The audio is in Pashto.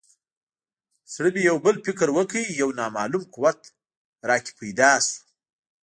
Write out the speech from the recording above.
زړه مې یو بل فکر وکړ یو نامعلوم قوت راکې پیدا شو.